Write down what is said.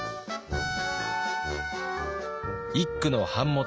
一九の版元